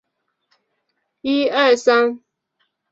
现为铁路交会点和商业中心。